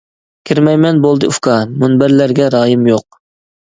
كىرمەيمەن بولدى ئۇكا، مۇنبەرلەرگە رايىم يوق.